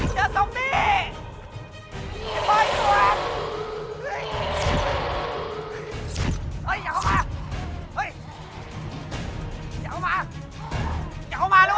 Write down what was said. อย่าเอามาอย่าเอามาด้วย